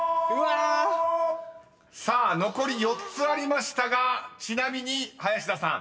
［さあ残り４つありましたがちなみに林田さん］